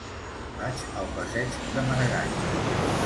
Vaig al passeig de Maragall.